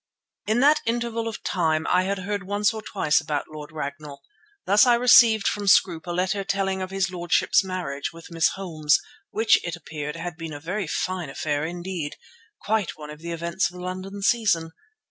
In that interval of time I had heard once or twice about Lord Ragnall. Thus I received from Scroope a letter telling of his lordship's marriage with Miss Holmes, which, it appeared, had been a very fine affair indeed, quite one of the events of the London season.